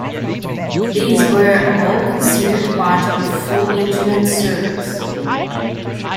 These were all considered part of full Internet service.